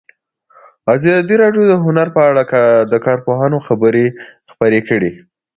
ازادي راډیو د هنر په اړه د کارپوهانو خبرې خپرې کړي.